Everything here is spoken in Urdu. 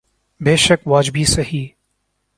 بیشک واجبی سہی۔